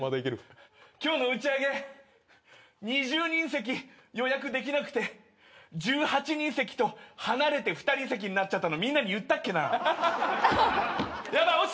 今日の打ち上げ２０人席予約できなくて１８人席と離れて２人席になっちゃったのみんなに言ったっけな？